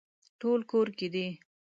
ټول کور کې دي